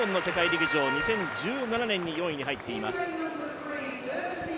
陸上２０１７年に４位に入っています。